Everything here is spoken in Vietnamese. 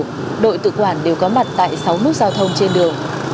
công an phường đội tự quản đều có mặt tại sáu nút giao thông trên đường